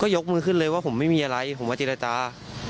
ยกมือขึ้นเลยว่าผมไม่มีอะไรผมมาเจรจา